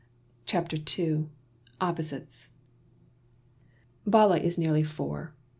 CHAPTER II Opposites BALA is nearly four.